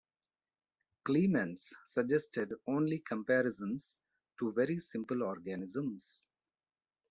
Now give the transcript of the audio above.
Clements suggested only comparisons to very simple organisms.